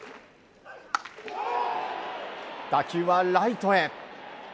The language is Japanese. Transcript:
打球はライトへ。